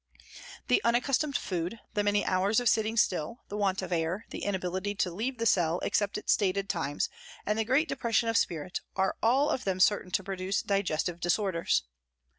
The unaccustomed food, the many hours of sitting still, the want of air, the inability to leave the cell except at stated times, and the great depres sion of spirit, are all of them certain to produce digestive disorders.